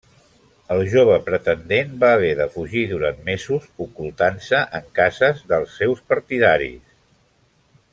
El jove pretendent va haver de fugir durant mesos, ocultant-se en cases dels seus partidaris.